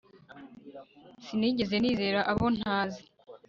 Sinigeze nizera abo ntazi